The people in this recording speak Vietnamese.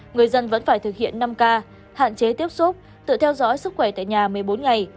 người dân vẫn phải thực hiện năm k hạn chế tiếp xúc tự theo dõi sức khỏe tại nhà một mươi bốn ngày